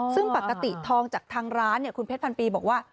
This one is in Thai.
ซึ่งปกติทองจากทางร้านคุณเพชรพันปีบอกว่า